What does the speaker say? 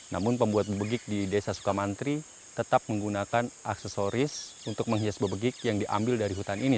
namun pembuat bebegik di desa sukamantri tetap menggunakan aksesoris untuk menghias bebegik yang diambil dari hutan ini